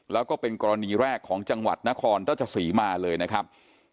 แล้วก็เป็นกรณีแรกของจังหวัดนครราชศรีมาเลยนะครับ